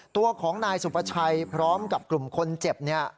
ตัวของนายสุภาชัยพร้อมกับกลุ่มคนเจ็บเนี่ย